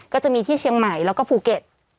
ก็จะมีที่เชียงใหม่แล้วก็ภูเก็ต